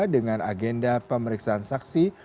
dengan agenda pemeriksaan saksi